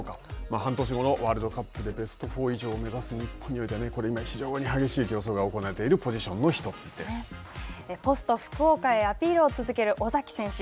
半年後のワールドカップでベスト４以上を目指す日本においては、これは非常に激しい争いが行われポスト福岡へアピールを続ける尾崎選手。